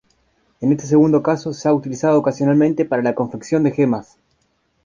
En este segundo caso, se ha utilizado ocasionalmente para la confección de gemas.